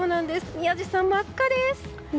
宮司さん、真っ赤です。